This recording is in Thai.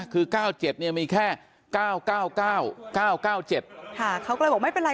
คือ๙๗เนี่ยมีแค่๙๙๙๙๙๗ค่ะเขาก็เลยบอกไม่เป็นไร